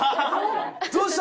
どうした？